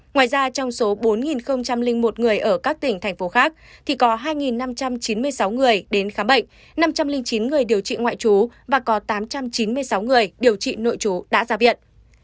ngoài ra trong số bốn một người ở các tỉnh thành phố khác thì có hai năm trăm chín mươi sáu người đến khám bệnh năm trăm linh chín người điều trị ngoại trú và có tám trăm chín mươi sáu người điều trị nội chú đã ra viện